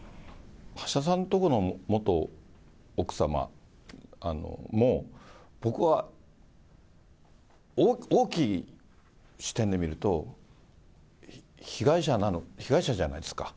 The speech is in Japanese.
橋田さんところの元奥様も、僕は大きい視点で見ると、被害者じゃないですか。